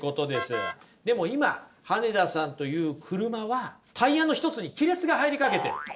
でも今羽根田さんという車はタイヤの一つに亀裂が入りかけてる。